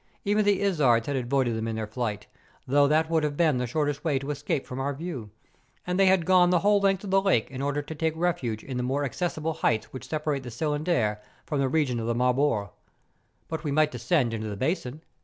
Even the izards had avoided them in their flight, although that woidd have been the shortest way to escape from our view ; and they had gone the whole length of the lake in order to take refuge in the more accessible heights which separate the Cylindre from the region of the Marbore. But we might descend into the basin.